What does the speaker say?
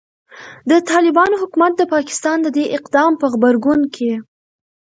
د طالبانو حکومت د پاکستان د دې اقدام په غبرګون کې